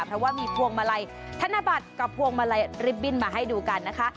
เพราะว่ามีพวงมาลัยธนบัตรกับพวงมาลัยริบบิ้นมาให้ดูกันนะคะ